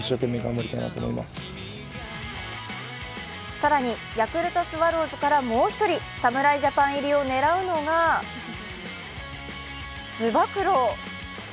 更に、ヤクルトスワローズからもう１人、侍ジャパン入りを狙うのがつば九郎。